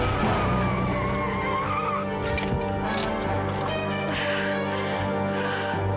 ayah juga akan menangkap ayah